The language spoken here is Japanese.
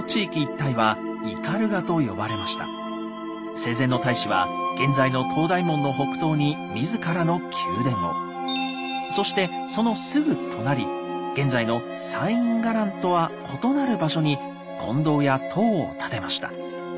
生前の太子は現在の東大門の北東に自らの宮殿をそしてそのすぐ隣現在の西院伽藍とは異なる場所に金堂や塔を建てました。